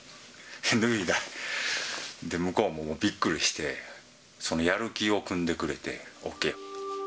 脱いだら、向こうもびっくりして、やる気をくんでくれて、ＯＫ。